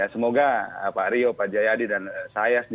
semoga pak rio pak jayadi dan saya